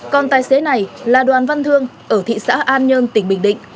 còn tài xế này là đoàn văn thương ở thị xã an nhơn tỉnh bình định